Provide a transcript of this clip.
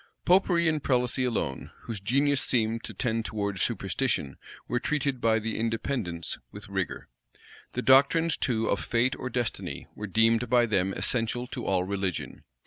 Popery and prelacy alone, whose genius seemed to tend towards superstition, were treated by the Independents with rigor. The doctrines too of fate or destiny were deemed by them essential to all religion.